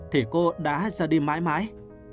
thì cô đã ra đi mãi mãi